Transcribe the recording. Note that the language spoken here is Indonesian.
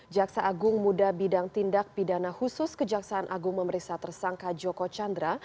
jaksa agung muda bidang tindak pidana khusus kejaksaan agung memeriksa tersangka joko chandra